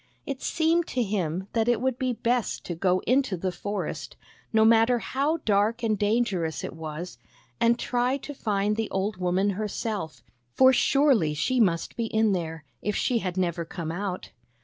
It seemed to him that it would be best to go into the forest, no matter how dark and dangerous it was, and try to find the old woman herself; for surely she must be in there, if she had never come out.